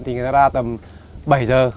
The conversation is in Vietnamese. thì người ta ra tầm bảy giờ